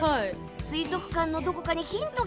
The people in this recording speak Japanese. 水族館のどこかにヒントが！